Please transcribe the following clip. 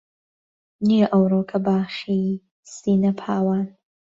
نییە ئەوڕۆکە باخی سینە پاوان